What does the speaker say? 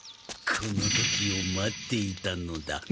この時を待っていたのだ。